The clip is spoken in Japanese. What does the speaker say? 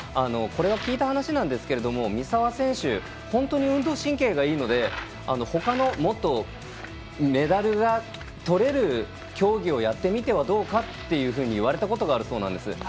これは聞いた話なんですが三澤選手、本当に運動神経がいいのでほかのメダルがとれる競技をやってみてはどうかと言われたことがあるそうなんです。